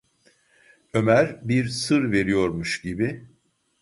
Ömer bir sır veriyormuş gibi: